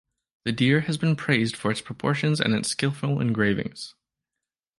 The deer has been praised for its proportions and its skillful engravings.